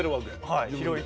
はい。